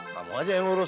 kamu aja yang ngurus